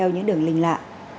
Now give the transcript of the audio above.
những đường linh lạ